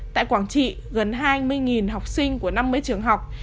tại quảng trị gần hai mươi học sinh của năm mươi trường học